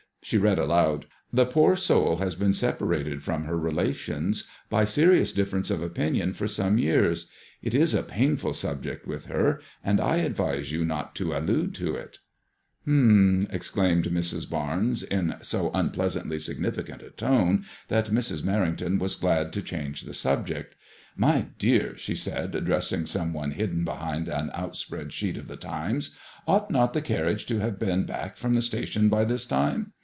She read aloud —The poor soul has been separated from her relations by serious difference of opinion for some years. It is a painful sub ject with her, and I advise you not to allude to it" f MADKIIOISXLLB IXS. >Hum \" exclaimed Mrs; BameSi in so unpleasantly signi ficant a tone that Mrs. Merring ton was glad to change the subject. My dear/' she said, address ing some one hidden behind an outspread sheet of The TimeSf ought not the carriage to have been back from the station by this time